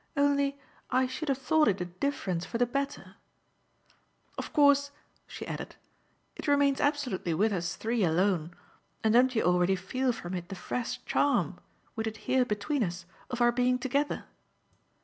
"Only I should have thought it a difference for the better. Of course," she added, "it remains absolutely with us three alone, and don't you already feel from it the fresh charm with it here between us of our being together?"